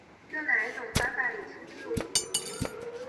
用哪一种方法厘清自我